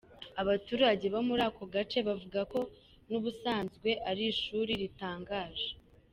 Abaturage bo muri ako gace bavuga ko n’ubusanzwe ari ishuri ritangaje.